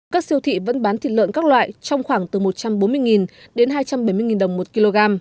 các siêu thị vẫn bán thịt lợn các loại trong khoảng từ một trăm bốn mươi đến hai trăm bảy mươi đồng một kg